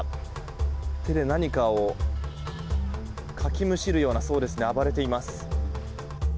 手で何かをかきむしるように暴れています。